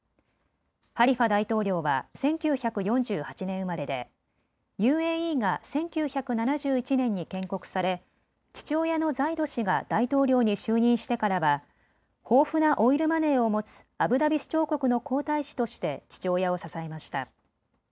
ハリファ大統領は１９４８年生まれでＵＡＥが１９７１年に建国され父親のザイド氏が大統領に就任してからは豊富なオイルマネーを持つアブダビ首長国の皇太子として父親を支えました。